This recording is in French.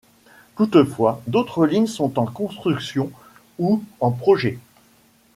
Toutefois d'autres lignes sont en construction ou en projet.